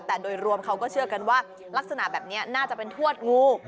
แต่โดยรวมเขาก็เชื่อกันว่าลักษณะแบบนี้น่าจะเป็นทวดงู